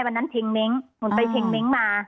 วันนั้นเช็งเม้งอังหุ่นไปเช็งเม้งมา